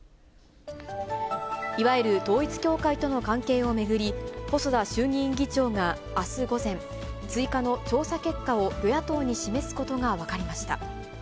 いわゆる統一教会との関係を巡り、細田衆議院議長があす午前、追加の調査結果を与野党に示すことが分かりました。